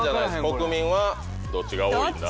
国民はどっちが多いか。